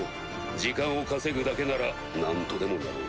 時間を稼ぐだけなら何とでもなろう。